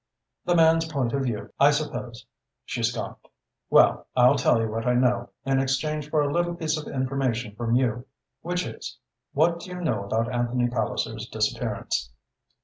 "The man's point of view, I suppose," she scoffed. "Well, I'll tell you what I know, in exchange for a little piece of information from you, which is what do you know about Anthony Palliser's disappearance?"